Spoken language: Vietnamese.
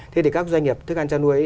thế thì các doanh nghiệp thức ăn chăn nuôi